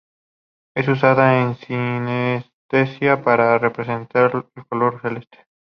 Es usada en sinestesia para representar el color celeste.